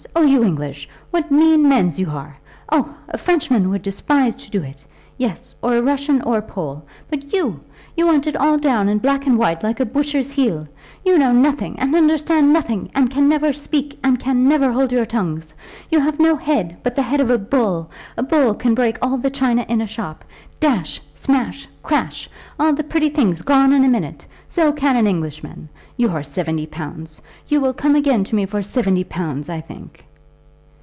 Oh, you English! What mean mens you are! Oh! a Frenchman would despise to do it. Yes; or a Russian or a Pole. But you, you want it all down in black and white, like a butcher's beel. You know nothing, and understand nothing, and can never speak, and can never hold your tongues. You have no head, but the head of a bull. A bull can break all the china in a shop, dash, smash, crash, all the pretty things gone in a minute! So can an Englishman. Your seventy pounds! You will come again to me for seventy pounds, I think."